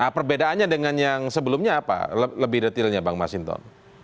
perbedaannya dengan yang sebelumnya apa lebih detailnya bang mas hinton